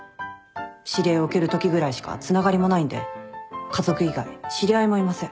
指令を受けるときぐらいしかつながりもないんで家族以外知り合いもいません。